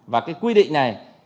và cái quy định này